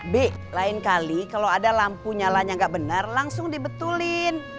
b lain kali kalau ada lampu nyalanya nggak benar langsung dibetulin